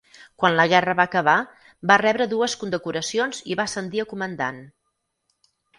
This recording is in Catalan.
Quan la guerra va acabar, va rebre dues condecoracions i va ascendir a comandant.